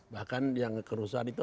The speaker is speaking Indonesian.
bahkan yang kerusuhan itu